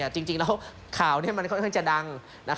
จริงแล้วข่าวนี้มันค่อนข้างจะดัง